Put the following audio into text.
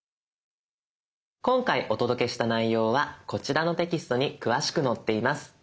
今回お届けした内容はこちらのテキストに詳しく載っています。